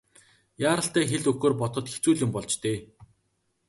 Яаралтай хэл өгөхөөр бодоход хэцүү л юм болж дээ.